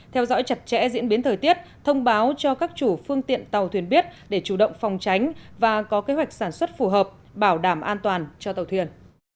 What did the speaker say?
theo dõi chặt chẽ diễn biến thời tiết thông báo cho các chủ phương tiện tàu thuyền biết để chủ động phòng tránh và có kế hoạch sản xuất phù hợp bảo đảm an toàn cho tàu thuyền